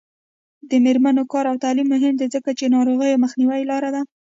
د میرمنو کار او تعلیم مهم دی ځکه چې ناروغیو مخنیوي لاره ده.